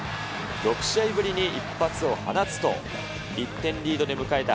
６試合ぶりに一発を放つと、１点リードで迎えた